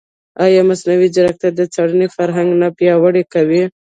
ایا مصنوعي ځیرکتیا د څارنې فرهنګ نه پیاوړی کوي؟